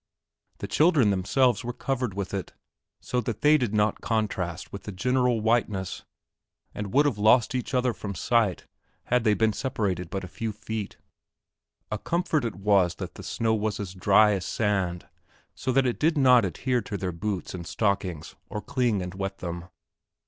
The children themselves were covered with it so that they did not contrast with the general whiteness and would have lost each other from sight had they been separated but a few feet. A comfort it was that the snow was as dry as sand so that it did not adhere to their boots and stockings or cling and wet them.